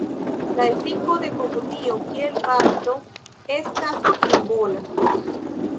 La efiko de komunio, kiel bapto, estas simbola.